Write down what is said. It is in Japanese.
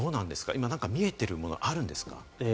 今、見えているものはあるんですか？